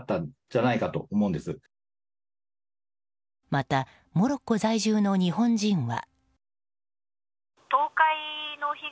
またモロッコ在住の日本人は。